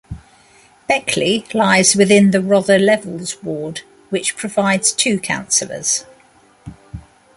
Beckley lies within the Rother Levels ward, which provides two councillors.